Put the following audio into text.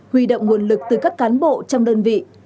huy động nguồn lực từ các cán bộ trong đơn vị